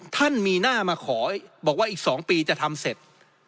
ท่านมีหน้ามาขอบอกว่าอีก๒ปีจะทำเสร็จ